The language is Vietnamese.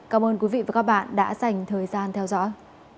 cảm ơn các bạn đã theo dõi